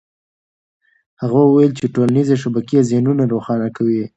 هغه وویل چې ټولنيزې شبکې ذهنونه روښانه کوي.